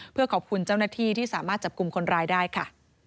เพื่อขอบคุณเจ้าหน้าที่ที่สามารถจับกลุ่มคนร้ายได้ค่ะ